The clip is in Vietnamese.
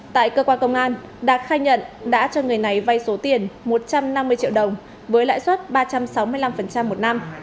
tại cơ quan công an đạt khai nhận đã cho người này vay số tiền một trăm năm mươi triệu đồng với lãi suất ba trăm sáu mươi năm một năm